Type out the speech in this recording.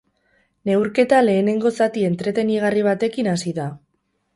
Neurketa lehenengo zati entretenigarri batekin hasi da.